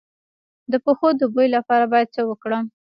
د پښو د بوی لپاره باید څه وکړم؟